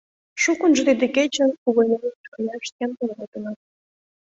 Шукынжо тиде кечын увольненийыш каяш ямдылалтыныт.